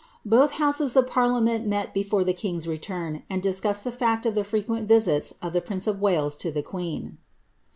Both houses of parliament met before the king's return, and discussed tbe fiict of the frequent visits of the prince of Wales to the queen.